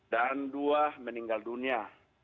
dan dua meninggal dunia